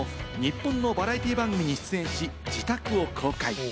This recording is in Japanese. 他にも日本のバラエティー番組に出演し、自宅を公開。